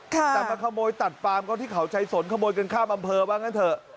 แต่มาขโมยตัดปามเขาที่เขาชัยสนขโมยกันข้ามอำเภอว่างั้นเถอะ